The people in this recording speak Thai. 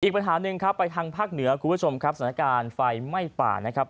อีกปัญหาหนึ่งครับไปทางภาคเหนือคุณผู้ชมครับสถานการณ์ไฟไหม้ป่านะครับ